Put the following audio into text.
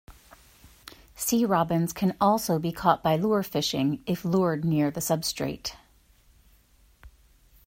Sea robins can also be caught by lure fishing if lured near the substrate.